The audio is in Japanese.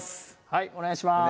はいお願いします